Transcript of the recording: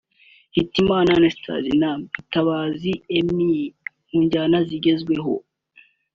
Hitimana Astelie na Mutabazi Emery (mu njyana zigezweho)